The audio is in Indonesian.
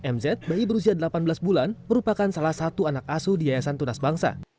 mz bayi berusia delapan belas bulan merupakan salah satu anak asuh di yayasan tunas bangsa